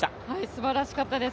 すばらしかったです